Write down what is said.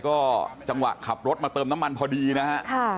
ก็จังหวะขับรถมาเติมน้ำมันพอดีนะฮะ